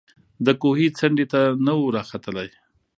د کوهي څنډي ته نه وو راختلی